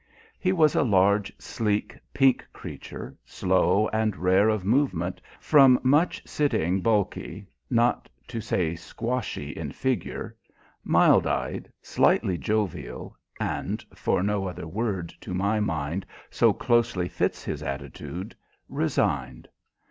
He was a large, sleek, pink creature, slow and rare of movement, from much sitting bulky, not to say squashy, in figure, mild eyed, slyly jovial and for no other word, to my mind, so closely fits his attitude resigned.